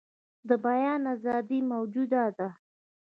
د بیان آزادي موجوده ده.